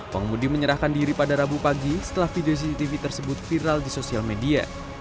pengemudi menyerahkan diri pada rabu pagi setelah video cctv tersebut viral di sosial media